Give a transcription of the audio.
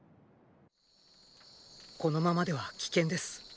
このままでは危険です。